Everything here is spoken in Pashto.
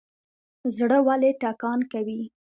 زړه ولې ټکان کوي؟